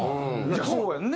そうやんね。